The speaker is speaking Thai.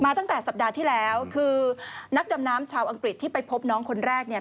ตั้งแต่สัปดาห์ที่แล้วคือนักดำน้ำชาวอังกฤษที่ไปพบน้องคนแรกเนี่ย